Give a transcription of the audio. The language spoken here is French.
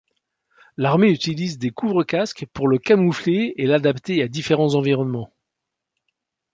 L'armée utilise des couvre-casques pour le camoufler et l'adapter à différents environnements.